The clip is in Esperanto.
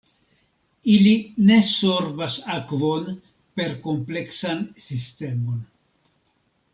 Ili ne sorbas akvon per kompleksan sistemon.